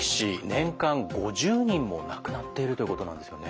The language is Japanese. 年間５０人も亡くなっているということなんですよね。